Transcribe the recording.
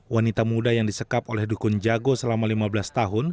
wanita muda yang disekap oleh dukun jago selama lima belas tahun